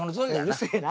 うるせえな！